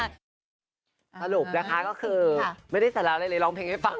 สรุปนะคะก็คือไม่ได้สาระอะไรเลยร้องเพลงให้ฟัง